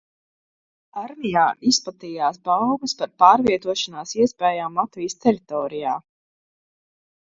Armijā izplatījās baumas par pārvietošanas iespējām Latvijas teritorijā.